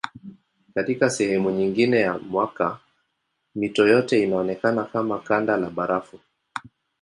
Katika sehemu nyingine ya mwaka mito yote inaonekana kama kanda la barafu.